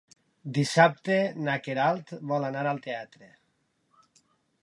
Dissabte na Queralt vol anar al teatre.